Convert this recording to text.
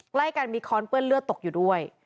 ใกล้กันมีค้อนเปื้อนเลือดตกอยู่ด้วย